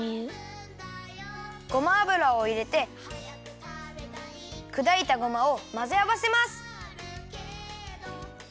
ごま油をいれてくだいたごまをまぜあわせます。